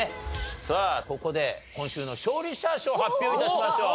さあここで今週の勝利者賞を発表致しましょう。